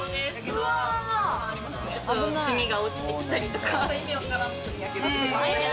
炭が落ちてきたりとか。